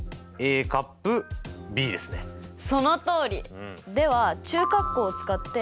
そのとおり！